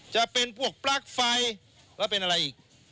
จะเป็นพวกปลั๊กไฟแล้วเป็นอะไรอีก